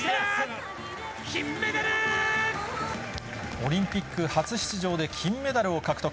オリンピック初出場で金メダルを獲得。